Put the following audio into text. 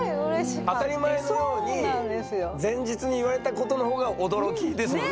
当たり前のように前日に言われたことの方が驚きですもんね？